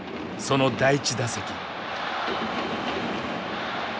その第１打席。